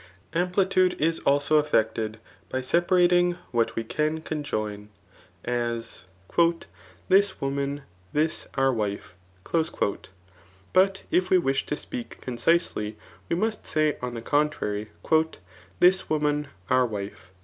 '' Amplitude is also effected, by separating what we csgi conjoin, as, ^* this woman, this our wife.' ' But if we wish to speak con cisely, we must say on the contrary, ^^ this woman our wife."